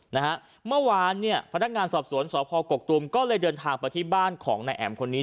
เมื่อวานเนี่ยพนักงานสอบสวนสพกกตูมก็เลยเดินทางไปที่บ้านของนายแอ๋มคนนี้